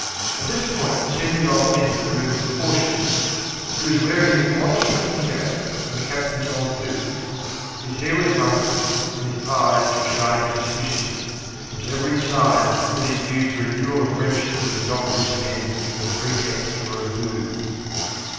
At this point Semyonov entered the room cautiously. He was wearing the oddest looking jacket and the captain's old boots. His hair was rumpled, and his eyes were shining suspiciously. There was every sign that he had used the renewal of friendship with the doctor's men as a pretext for a booze.